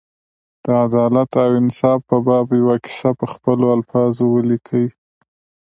د عدالت او انصاف په باب یوه کیسه په خپلو الفاظو ولیکي.